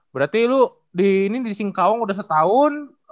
berarti lu ini di singkawang udah setahun